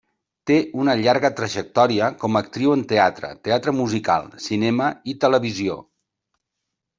Té una llarga trajectòria com a actriu en teatre, teatre musical, cinema i televisió.